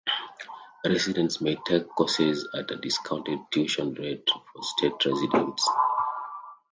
Residents may take courses at a discounted tuition rate for state residents.